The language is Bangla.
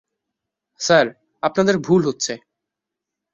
স্যার, আপনাদের ভুল হচ্ছে।